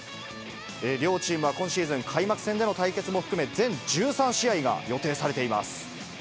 両チームは今シーズン、開幕戦での対決も含め、全１３試合が予定されています。